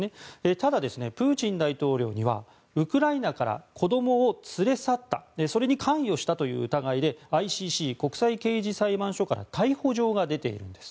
ただ、プーチン大統領にはウクライナから子どもを連れ去ったそれに関与したという疑いでＩＣＣ・国際刑事裁判所から逮捕状が出ているんです。